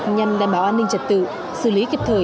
nhằm đảm bảo an ninh trật tự xử lý kịp thời